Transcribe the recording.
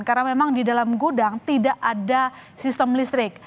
karena memang di dalam gudang tidak ada sistem listrik